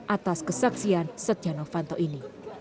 atas kesaksian setia novanto ini